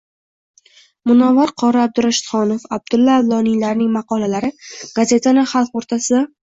Munavvar qori Abdurashidxonov, Abdulla Avloniylarning maqolalari gazetani xalq o'rtasida